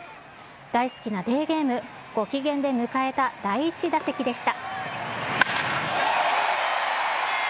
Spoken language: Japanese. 大好きなデーゲーム、ご機嫌で迎えた第１打席でした。